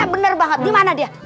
bener banget dimana dia